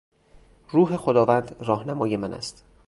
روح خداوند راهنمای من است.